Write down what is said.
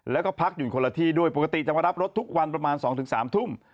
แล้วก็พักอยู่คนละที่ด้วยปกติจะมารับรถทุกวันประมาณ๒๓ทุ่ม